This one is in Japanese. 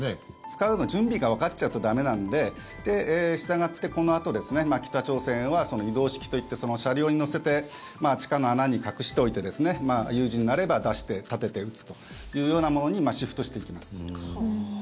使うの準備がわかっちゃうと駄目なんでしたがって、このあと北朝鮮は移動式といって車両に載せて地下の穴に隠しておいて有事になれば出して立てて撃つというようなものにシフトしていきます。